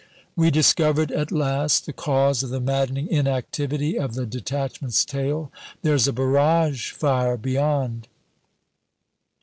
We discovered at last the cause of the maddening inactivity of the detachment's tail "There's a barrage fire beyond."